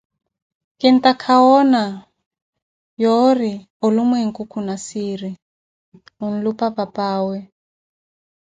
Kintakha woona yoori olumweeku khuna siiri, khulupa papawe!